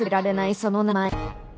その名前。